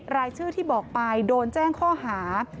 รายชื่อที่บอกไปโดนแจ้งข้อหา